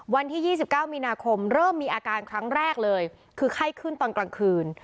วันที่๒๙มีนาคมเริ่มมีอาการครั้งแรกเลยคือไข้ขึ้นตอนกลางคืน